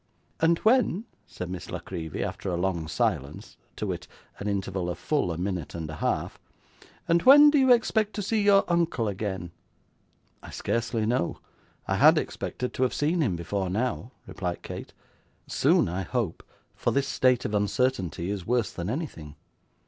'And when,' said Miss La Creevy, after a long silence, to wit, an interval of full a minute and a half, 'when do you expect to see your uncle again?' 'I scarcely know; I had expected to have seen him before now,' replied Kate. 'Soon I hope, for this state of uncertainty is worse than anything.